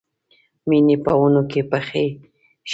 مڼې په ونو کې پخې شوې